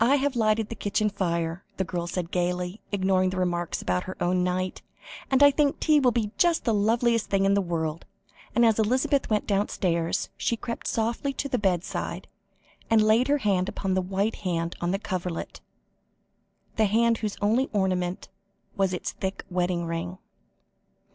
"I have lighted the kitchen fire," the girl said gaily, ignoring the remarks about her own night, "and I think tea will be just the loveliest thing in the world," and as Elizabeth went downstairs, she crept softly to the bedside, and laid her hand upon the white hand on the coverlet, the hand whose only ornament was its thick wedding ring.